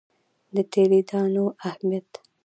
د تیلي دانو اهمیت.